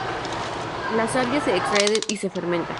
La savia se extrae y se fermenta.